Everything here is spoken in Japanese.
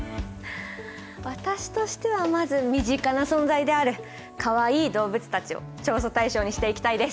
私としてはまず身近な存在であるかわいい動物たちを調査対象にしていきたいです。